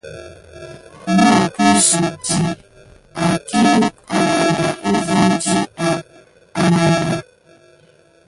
Mopsukdi ahiku anaɗa uvon ɗiɗa á naɗa di.